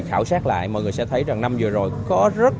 thật sự là giãn nở đó